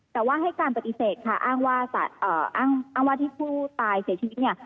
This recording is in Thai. แต่ว่าให้การปฏิเสธค่ะอ้างว่าอ้างว่าที่ผู้ตายเสียชีวิตเนี่ย